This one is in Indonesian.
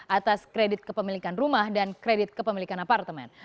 atas kredit kepemilikan rumah dan kredit kepemilikan apartemen